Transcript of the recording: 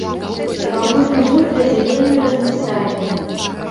Па агульным выглядзе вельмі разнастайныя.